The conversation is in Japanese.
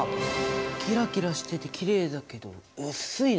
キラキラしててきれいだけど薄いね！